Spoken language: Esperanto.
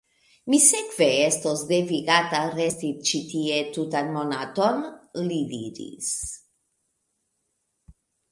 Mi sekve estos devigata resti ĉi tie tutan monaton? li diris.